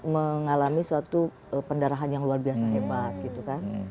mengalami suatu pendarahan yang luar biasa hebat gitu kan